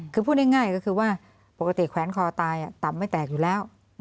คือพูดง่ายก็คือว่าปกติแขวนคอตายต่ำไม่แตกอยู่แล้ว